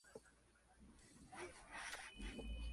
Ella había perdido su cartera y Joey le ayudó a encontrarla.